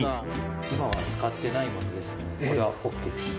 今は使ってないものですので、これはＯＫです。